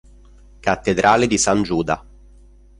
Cattedrale di San Giuda